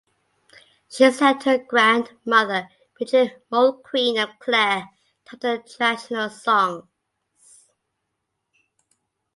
She said her grandmother Bridget Mulqueen of Clare taught her traditional songs.